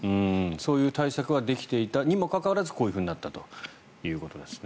そういう対策はできていたにもかかわらずこういうふうになったということですね。